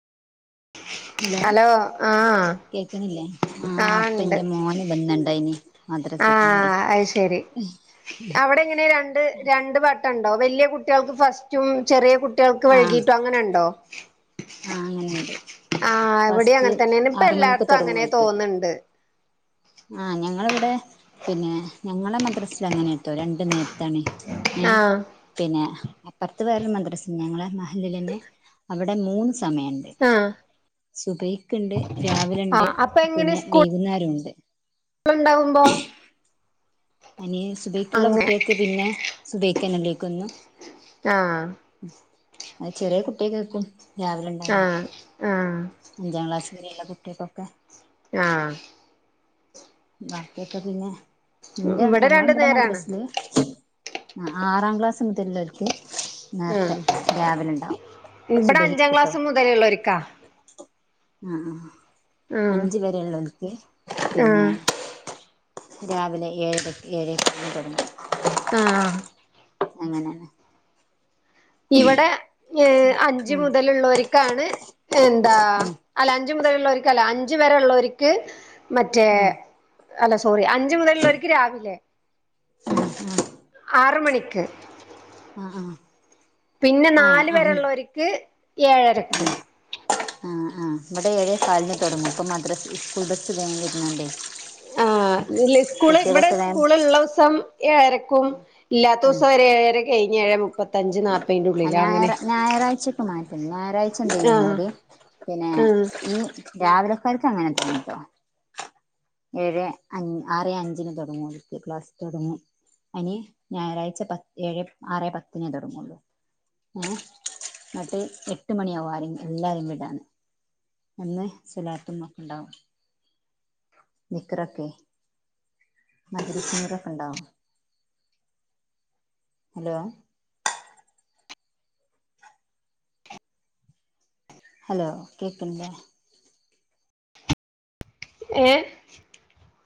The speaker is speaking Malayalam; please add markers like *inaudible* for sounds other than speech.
*inaudible* ഹലോ ആഹ് കേക്കണില്ലേ ആഹ് ഉണ്ട്. അപ്പന്റെ മോന് വന്നിണ്ടായിനി മദ്രസിട്ടാണ്ട് ആഹ് അത് ശരി അവടെങ്ങനെ രണ്ട് രണ്ട് ബട്ട ണ്ടോ വലിയ കുട്ടികൾക്ക് ഫസ്റ്റും ചെറിയ കുട്ടികൾക്ക് ആഹ് വൈകിട്ടും അങ്ങനെ ഉണ്ടോ. ആഹ് അങ്ങനെണ്ട് ആഹ് എവിടെ ഫസ്റ്റ് അങ്ങന് തന്നെയണ് ഇപ്പ ആറ് മണിക്ക് എല്ലാട്ത്തും തുടങ്ങും അങ്ങനെ ഓൽക്ക് തോന്ന്ണ്ട്. ആഹ് ഞങ്ങളവിടെ പിന്നെ ഞങ്ങളെ മദ്രസ്ൽ അങ്ങനെട്ടോ രണ്ട് നേരത്താണ്. ഏ ആഹ് പിന്നെ അപ്പറത്ത് വേറെരു മദ്രസ് ഞങ്ങള മഹല്ലിൽന്നെ അവിടെ മൂന്ന്. സമയണ്ട് ആഹ് സുബൈയ്ക്ക്ണ്ട് രാവിലണ്ട് ആഹ് അപ്പൊ പിന്നെ വൈ മൂന്നേരു ഉണ്ട്. പ്പ ഉണ്ടാവുമ്പോ. അനി സുബൈക്ക്ള്ള അങ്ങനെ കുട്ടിയക്ക് പിന്നെ സുബൈക്കാന്നേല്ലേക്ക്ന്നു. ആഹ്. ഉ അ ചെറിയ കുട്ടൃകേക്കും രാവിലെ ഉണ്ടാവാ ആഹ് ആഹ് അഞ്ചാം ക്ലാസ്. ഇഞിള്ള കുട്ടൃക്കൊക്കെ. ആഹ്. ബാക്കിയൊക്കെ പിന്നെ. ന്റെ ഞങ്ങള രണ്ടു ഇവിടെ നേരാണ് മദ്രസില് ആറാം ക്ലാസ് മുതല്ള്ളോർക്ക്. നേർത്തെ ആഹ് രാവിലെ ഉണ്ടാവും ഇവിടെ അഞ്ചാം സുബഹിക്ക്ട്ടോ. ക്ലാസ് മുതലുള്ളോര്ക്കാ ആഹ്. ആഹ് അഞ്ച് വരെള്ളോല്ക്ക് പിന്നെ ആഹ് രാവിലെ. ഏഴരക്ക് ഏഴ് തെട്ങ്ങും. ആഹ്. അങ്ങനെ. ഇവിടെ ഏ അഞ്ച് ഉം മുതലുള്ളോർക്കാണ്. എന്താ ഉം അല്ല അഞ്ച് മുതലുള്ളോർക്ക് അല്ല അഞ്ച് വരെ ഉള്ളോർക്ക് മറ്റേ ഉം അല്ല സോറി അഞ്ച് മുതലുള്ളോർക്ക് രാവിലെ. *unintelligible* ആറ് മണിക്ക് ആ ആ പിന്നെ ആ നാല് ആ വരെള്ളോർക്ക് ആ ഏഴരക്ക്. ആഹ് ആഹ് ഇവിടെ ഏഴേ കാലിനു തുടങ്ങും ഇപ്പ മദ്രാസ് സ്കൂൾ ബസ് വേ വരുന്നുണ്ടേ ആ് ഇല്ല സ്കൂള് ഇവിടെ സ്കൂള ഉള്ള ദിവസം ഏഴരക്കും ഇല്ലാത്ത ഉം ദിവസംവരെ ഏഴര കഴിഞ്ഞഞ്ഏഴ് മുപ്പത്തഞ്ച് നാല്പ്പൈന്റ ഉള്ളിലോ അങ്ങനെ ഞായറാഴ്ചൊക്കെ മാറ്റും ഞായറാഴ്ച എന്ത്‌ ചെയ്യുന്ന ആഹ് ഓല് പിന്നെ ആഹ് ഈ രാവിലെ ക്കാർക്ക് അങ്ങനെത്തട്ടോ ഏഴ് ആറ് അഞ്ചിന് തുടങ്ങും ഓലക്ക് ക്ലാസ്സ് തുടങ്ങും അനി ഞായറാഴ് പ ഏഴ് ആറേ പത്തിനേ തുടങ്ങുള്ളൂ ഏഹ് ഇനട്ട് എട്ട് മണിയാവും ആരെങ്കി എല്ലാരിം വിടാന്. അന്ന് സ്വലാത്തും ഒക്കെ ഉണ്ടാവും. ദിക്ക്റൊക്കെ മജ്ലിസുന്നൂറൊക്കെ ഉണ്ടാവും ഹലോ ഹലോ കേൾക്ക്ണില്ലേ? ഏഹ്